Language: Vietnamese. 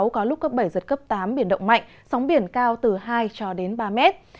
có lúc cấp bảy giật cấp tám biển động mạnh sóng biển cao từ hai cho đến ba mét